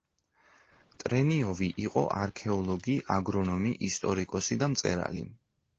ტრენიოვი იყო არქეოლოგი, აგრონომი, ისტორიკოსი და მწერალი.